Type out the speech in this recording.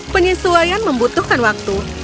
penyesuaian membutuhkan waktu